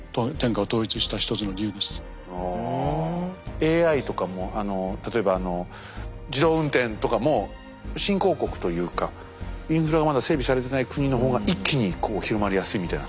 ＡＩとかも例えばあの自動運転とかも新興国というかインフラがまだ整備されてない国の方が一気にこう広まりやすいみたいな。